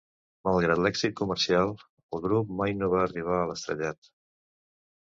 Malgrat l'èxit comercial, el grup mai no va arribar a l'estrellat.